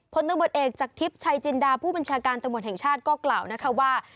ตำรวจเอกจากทิพย์ชัยจินดาผู้บัญชาการตำรวจแห่งชาติก็กล่าวนะคะว่า